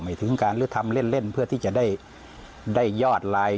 ถึงการหรือทำเล่นเพื่อที่จะได้ยอดไลน์